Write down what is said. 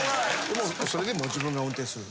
もうそれで自分が運転する。